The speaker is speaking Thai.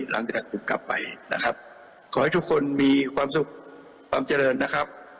หลังจากนั้นผมกลับไปนะครับขอให้ทุกคนมีความสุขความเจริญนะครับ